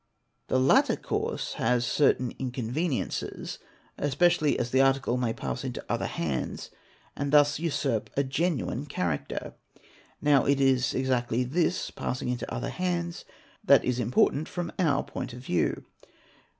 The latter course has certain inconveniences, especially as the article may pass into other hands and thus usurp a genuine character; now it is exactly this passing into other hands that is important from our point of view.